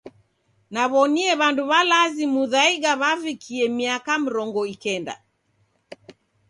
Naw'onie w'andu w'alazi Muthaiga w'avikie miaka mrongo ikenda.